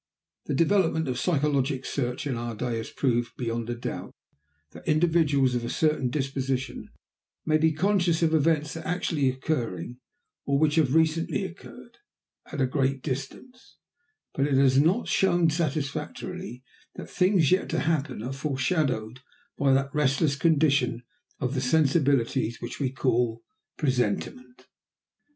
The development of psychologic research in our day has proved beyond a doubt that individuals of a certain disposition may be conscious of events actually occurring, or which have recently occurred, at a great distance; but it has not shown satisfactorily that things yet to happen are foreshadowed by that restless condition of the sensibilities which we call presentiment.